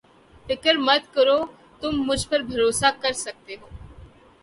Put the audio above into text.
فکر مت کرو تم مجھ پر بھروسہ کر سکتے ہو